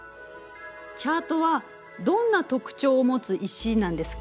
チャートはどんな特徴を持つ石なんですか？